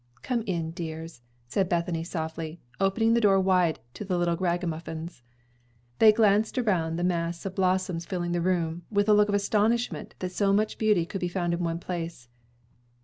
"Come in, dears," said Bethany softly, opening the door wide to the little ragamuffins. They glanced around the mass of blossoms filling the room, with a look of astonishment that so much beauty could be found in one place.